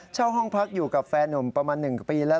เช่าห้องพักอยู่กับแฟนหนุ่มประมาณ๑ปีแล้ว